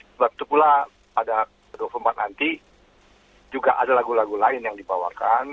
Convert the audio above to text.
sebab itu pula pada ke dua puluh empat nanti juga ada lagu lagu lain yang dibawakan